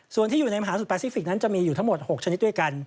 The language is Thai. ส่วนที่อยู่ในมหาสุดแปซิฟิกนั้นจะมีอยู่ทั้งหมด๖ชนิดด้วยกัน